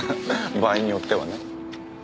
場合によってはね。